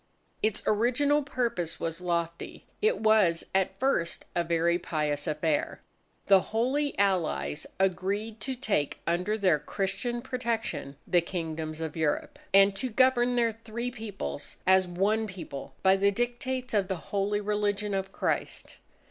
Its original purpose was lofty. It was at first, a very pious affair. The Holy Allies agreed to take under their Christian protection the Kingdoms of Europe, and to govern their three Peoples as one People by the dictates of the Holy Religion of Christ.